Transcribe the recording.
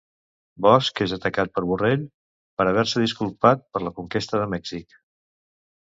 Bosch és atacat per Borrell per haver-se disculpat per la conquesta de Mèxic.